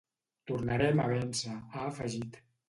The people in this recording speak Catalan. Tornarem a vèncer, ha afegit.